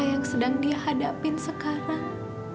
yang sedang dihadapi sekarang